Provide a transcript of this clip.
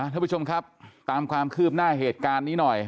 ท่านผู้ชมครับตามความคืบหน้าเหตุการณ์นี้หน่อย